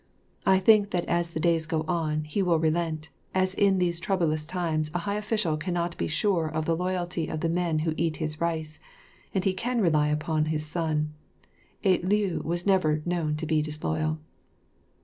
I think that as the days go on, he will relent, as in these troublous times a high official cannot be sure of the loyalty of the men who eat his rice, and he can rely upon his son. A Liu was never known to be disloyal.